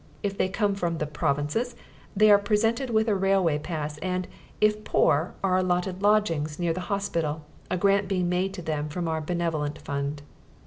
(If they come from the provinces they are presented with a railway pass and, if poor, are allotted lodgings near the hospital, a grant being made to them from our Benevolent Fund.)